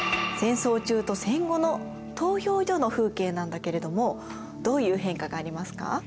戦争中と戦後の投票所の風景なんだけれどもどういう変化がありますか？